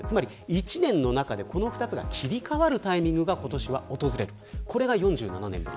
一年の中でこの２つが切り替わるタイミングが今年は訪れるこれが４７年ぶり。